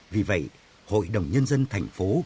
vì vậy hội đồng nhân dân thành phố